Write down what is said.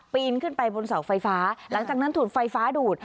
นขึ้นไปบนเสาไฟฟ้าหลังจากนั้นถูกไฟฟ้าดูด